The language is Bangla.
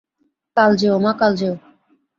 কাল যেও মা, কাল যেও।